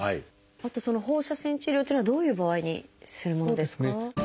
あとその放射線治療っていうのはどういう場合にするものですか？